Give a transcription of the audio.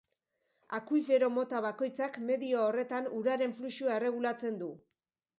Akuifero mota bakoitzak medio horretan uraren fluxua erregulatzen du.